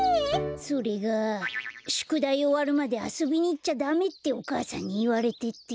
それがしゅくだいおわるまであそびにいっちゃダメってお母さんにいわれてて。